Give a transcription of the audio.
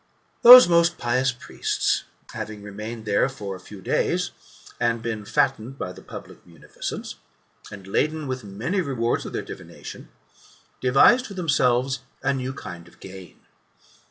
Those most pious priests, having remained there for a few days, and been fattened by the public munificence, and laden with many rewards of their divination, devised for themselves a new kind of gain.